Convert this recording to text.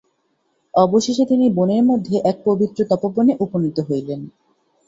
অবশেষে তিনি বনের মধ্যে এক পবিত্র তপোবনে উপনীত হইলেন।